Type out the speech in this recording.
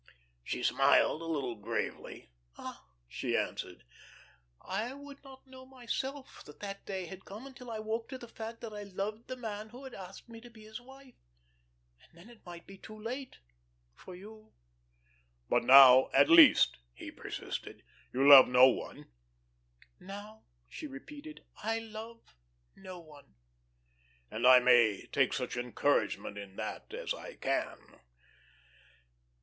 She smiled a little gravely. "Ah," she answered, "I would not know myself that that day had come until I woke to the fact that I loved the man who had asked me to be his wife, and then it might be too late for you." "But now, at least," he persisted, "you love no one." "Now," she repeated, "I love no one." "And I may take such encouragement in that as I can?"